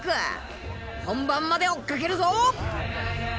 本番まで追っかけるぞ！